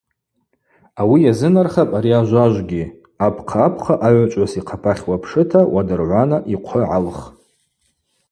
Ауи йазынархапӏ ари ажважвгьи: Апхъапхъа агӏвычӏвгӏвыс йхъапахь уапшыта уадыргӏвана йхъвы гӏалх.